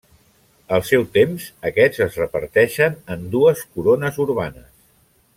Al seu temps, aquests es reparteixen en dues corones urbanes.